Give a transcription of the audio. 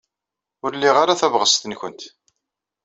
Ur liɣ ara tabɣest-nwent.